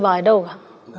về đâu cả